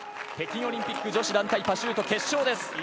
北京オリンピック女子団体パシュート決勝です。